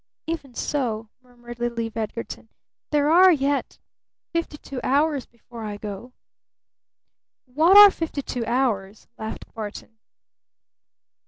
"Even so," murmured little Eve Edgarton, "there are yet fifty two hours before I go." "What are fifty two hours?" laughed Barton.